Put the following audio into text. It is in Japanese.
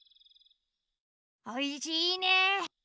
おいしいね。